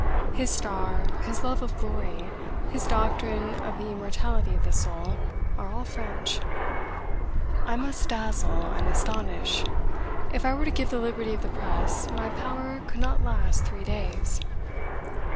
His star, his love of glory, his doctrine of the immortality of the soul, are all French. "I must dazzle and astonish. If I were to give the liberty of the press, my power could not last three days."